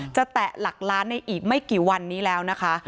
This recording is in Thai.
แตะหลักล้านในอีกไม่กี่วันนี้แล้วนะคะ